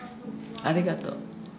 ありがとう。